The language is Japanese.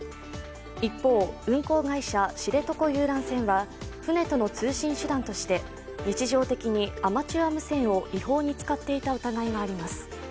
一方、運航会社、知床遊覧船は船との通信手段として日常的にアマチュア無線を違法に使っていた疑いがあります。